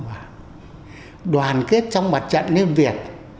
và đoàn kết trong một trận liên việt